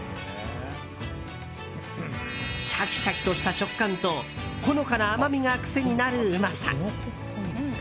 シャキシャキとした食感とほのかな甘みが、癖になるうまさ。